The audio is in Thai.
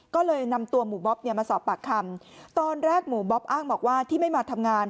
ก็เลยนำตัวหมู่บ๊อบเนี่ยมาสอบปากคำตอนแรกหมู่บ๊อบอ้างบอกว่าที่ไม่มาทำงาน